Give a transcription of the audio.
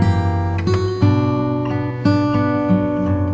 terima kasih ya mas